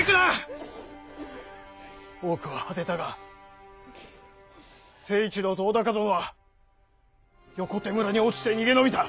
多くは果てたが成一郎と尾高殿は横手村に落ちて逃げ延びた。